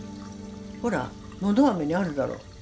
ほらのど飴にあるだろ。